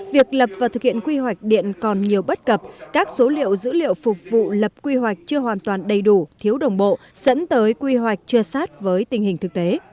việc lập và thực hiện quy hoạch điện còn nhiều bất cập các số liệu dữ liệu phục vụ lập quy hoạch chưa hoàn toàn đầy đủ thiếu đồng bộ dẫn tới quy hoạch chưa sát với tình hình thực tế